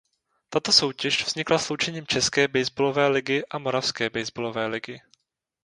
Tato soutěž vznikla sloučením České baseballové ligy a Moravské baseballové ligy.